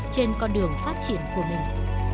trên con đường phát triển của mình